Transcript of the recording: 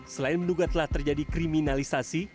selain menduga telah terjadi kriminalisasi